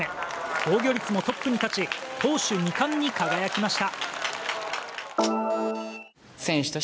防御率もトップに立ち好守２冠に輝きました。